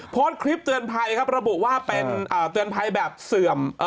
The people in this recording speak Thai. โพสต์คลิปเตือนภัยครับระบุว่าเป็นเตือนภัยแบบเสื่อม